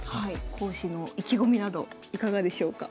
講師の意気込みなどいかがでしょうか？